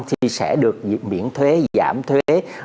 thì sẽ được miễn thuế giảm thuế